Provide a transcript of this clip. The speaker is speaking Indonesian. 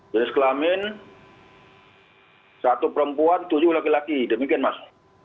jenis kelamin satu perempuan tujuh laki laki demikian mas